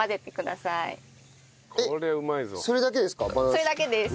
それだけです。